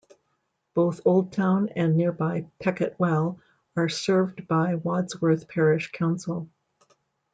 Both Old Town and nearby Pecket Well are served by Wadsworth Parish Council.